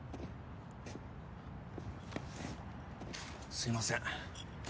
すいません